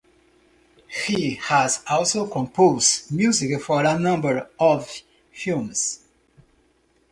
He has also composed music for a number of films.